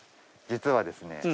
実はですね